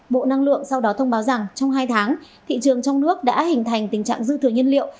bộ năng lượng sau đó thông báo rằng trong hai tháng thị trường trong nước đã hình thành tình trạng dư thừa nhân liệu